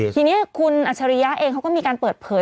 ทีนี้คุณอัจฉริยะเองเขาก็มีการเปิดเผย